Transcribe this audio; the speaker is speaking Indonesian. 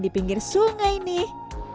di pinggir sungai nih